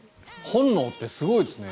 本能ってすごいですね。